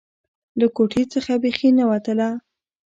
له کوټې څخه بيخي نه وتله.